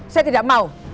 saya tidak mau